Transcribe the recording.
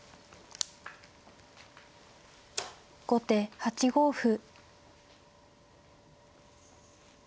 後手８五歩。